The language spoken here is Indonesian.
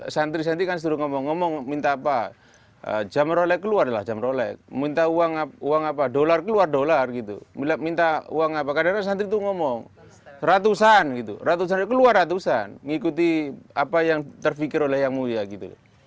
santri santri kan suruh ngomong ngomong minta apa jam rolek keluar adalah jam rolek minta uang apa dolar keluar dolar gitu minta uang apa kader santri itu ngomong ratusan gitu ratusan keluar ratusan ngikuti apa yang terfikir oleh yang mulia gitu loh